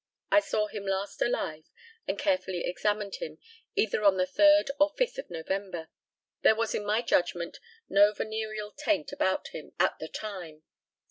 I saw him last alive, and carefully examined him, either on the 3rd or 5th of November. There was in my judgment no venereal taint about him at the time.